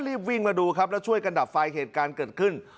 รีบวิ่งมาดูครับแล้วช่วยกันดับไฟเหตุการณ์เกิดขึ้น